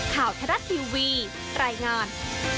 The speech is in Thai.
ทรัฐทีวีรายงาน